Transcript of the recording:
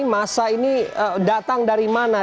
masa ini datang dari mana